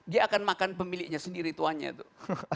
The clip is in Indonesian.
dia akan makan pemiliknya sendiri tuannya tuh